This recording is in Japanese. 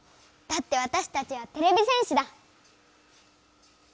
だってわたしたちはてれび戦士だ！